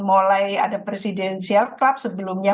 mulai ada presidensial club sebelumnya